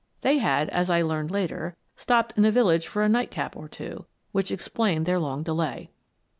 They had, as I learned later, stopped in the village for a nightcap or two, which explained their long delay.